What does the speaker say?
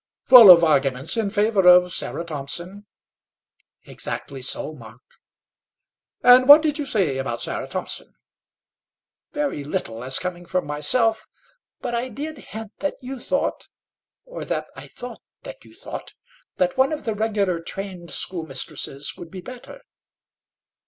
"Full of arguments in favour of Sarah Thompson?" "Exactly so, Mark." "And what did you say about Sarah Thompson?" "Very little as coming from myself; but I did hint that you thought, or that I thought that you thought, that one of the regular trained schoolmistresses would be better."